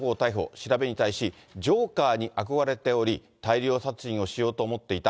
調べに対し、ジョーカーに憧れており、大量殺人をしようと思っていた。